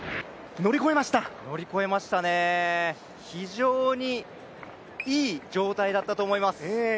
乗り越えましたね、非常にいい状態だったと思います。